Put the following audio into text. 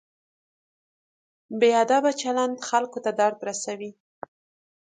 بې ادبه چلند خلکو ته درد رسوي.